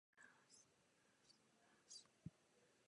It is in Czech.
Kolem objektu se také rozkládala velká zahrada.